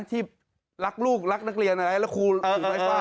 ที่รักลูกรักนักเรียนอะไรแล้วครูไฟฟ้า